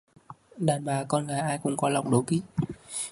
Đàn bà con gái ai cũng có lòng đố kỵ